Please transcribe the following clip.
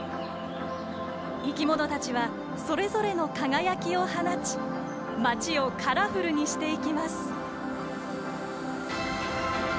生き物たちはそれぞれの輝きを放ち街をカラフルにしていきます。